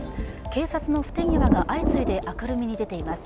警察の不手際が相次いで明るみに出ています。